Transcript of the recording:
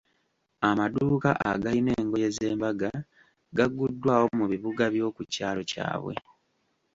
Amadduuka agayina engoye z'embaga gaguddwawo mu bibuga by'oku kyalo kyabwe.